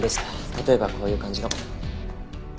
例えばこういう感じの。